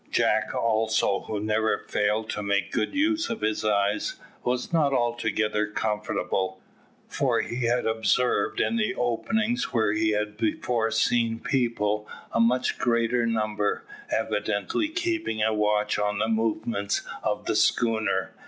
Jack also, who never failed to make good use of his eyes, was not altogether comfortable, for he had observed in the openings where he had before seen people, a much greater number, evidently keeping a watch on the movements of the schooner.